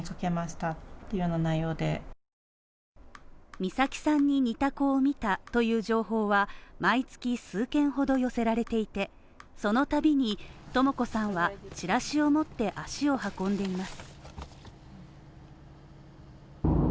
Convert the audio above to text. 美咲さんに似た子を見たという情報は毎月数件ほど寄せられていて、そのたびに、とも子さんはチラシを持って足を運んでいます。